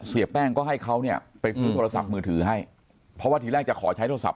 เสียแป้งก็ให้เขาเนี่ยไปซื้อโทรศัพท์มือถือให้เพราะว่าทีแรกจะขอใช้โทรศัพ